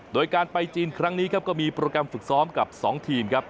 โดยการไปจีนครั้งนี้ครับก็มีโปรแกรมฝึกซ้อมกับ๒ทีมครับ